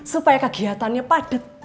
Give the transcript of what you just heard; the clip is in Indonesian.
supaya kegiatannya padat